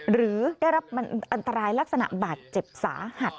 หรือได้รับอันตรายลักษณะบาดเจ็บสาหัส